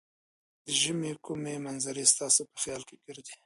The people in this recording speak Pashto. د ژمې کومې منظرې ستاسې په خیال کې ګرځي؟